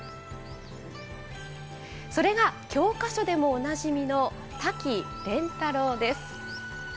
それが教科書でもおなじみの瀧廉太郎です。